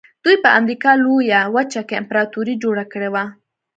دوی په امریکا لویه وچه کې امپراتوري جوړه کړې وه.